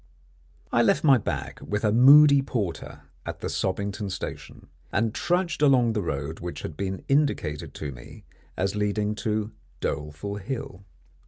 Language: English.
I left my bag with a moody porter at the Sobbington Station, and trudged along the road which had been indicated to me as leading to Doleful Hill.